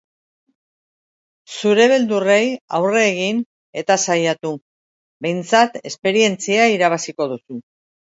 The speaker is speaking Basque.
Zure beldurrei aurre egin eta saiatu, behintzat esperientzia irabaziko duzu.